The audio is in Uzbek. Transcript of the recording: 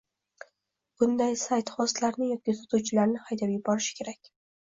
Bunday sayt xostlarni yoki sotuvchilarni haydab yuborishi kerak